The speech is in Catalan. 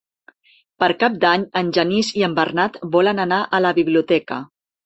Per Cap d'Any en Genís i en Bernat volen anar a la biblioteca.